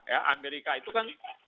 ya amerika itu kan